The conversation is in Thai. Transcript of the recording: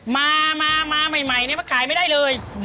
มาใหม่นี่มันขายไม่ได้เลย